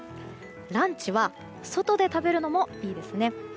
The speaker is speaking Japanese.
ランチは外で食べるのもいいですね。